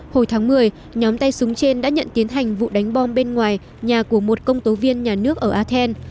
hồi tháng một mươi nhóm tay súng trên đã nhận tiến hành vụ đánh bom bên ngoài nhà của một công tố viên nhà nước ở athen